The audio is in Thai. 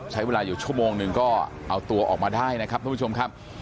ใช้เวลาอยู่ชั่วโมงหนึ่งก็เอาตัวออกมาได้นะครับทุกผู้ชมครับ